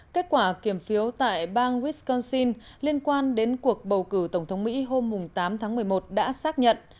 kết quả kiểm phiếu tại bang wisconsyl liên quan đến cuộc bầu cử tổng thống mỹ hôm tám tháng một mươi một đã xác nhận